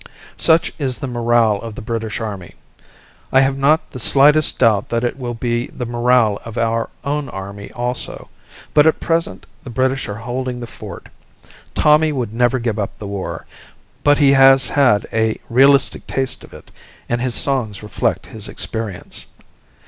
Such is the morale of the British army. I have not the slightest doubt that it will be the morale of our own army also, but at present the British are holding the fort. Tommy would never give up the war, but he has had a realistic taste of it, and his songs reflect his experience.